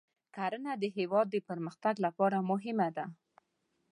کرنه د هیواد د پرمختګ لپاره مهمه ده.